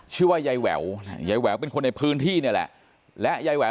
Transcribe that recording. ชื่อว่าใยเววไยเววก็เป็นคนในพื้นที่นี่แหละ